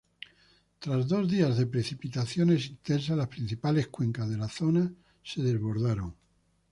Tras dos días de precipitaciones intensas las principales cuencas de la zona se desbordaron.